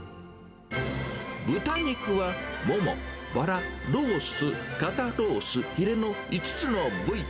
豚肉は、モモ、バラ、ロース、肩ロース、ヒレの５つの部位。